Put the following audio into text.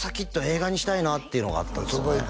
映画にしたいなっていうのがあったんですよね